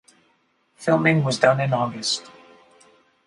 Filming was done in August.